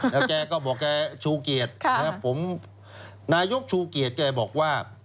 แล้วแกก็บอกแกชูเกียรติผมนายกชูเกียรติแกบอกว่า